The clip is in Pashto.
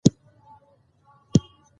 کندهار ښاروالۍ د ښاري ستونزو